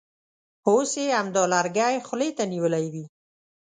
اوس یې همدا لرګی خولې ته نیولی وي.